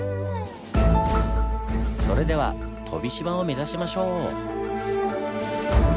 それでは飛島を目指しましょう！